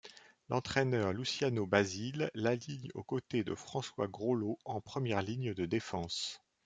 L'entraîneur Luciano Basile l'aligne aux côtés de François Groleau en première ligne de défense.